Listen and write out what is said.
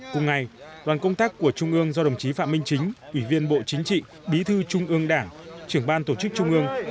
cùng ngày đoàn công tác của trung ương do đồng chí phạm minh chính ủy viên bộ chính trị bí thư trung ương đảng trưởng ban tổ chức trung ương